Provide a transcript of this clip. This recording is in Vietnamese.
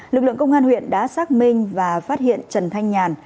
lực lượng công an huyện đã xác minh và phát hiện trần thanh nhàn